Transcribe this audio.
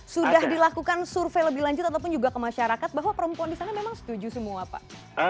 sudah dilakukan survei lebih lanjut ataupun juga ke masyarakat bahwa perempuan di sana memang setuju semua pak